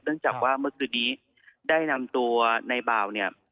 เนื่องจากว่าเมื่อคืนนี้ได้นำตัวนายบ่าวเนี่ย